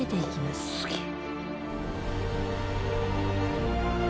すげえ。